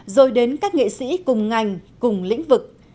rồi đến các nghệ sĩ cùng ngành cùng lĩnh vực